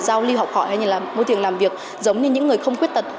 giao lưu học hỏi hay là môi trường làm việc giống như những người không khuyết tật